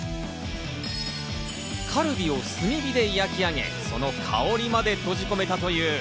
カルビを炭火で焼き上げ、その香りまで閉じ込めたという。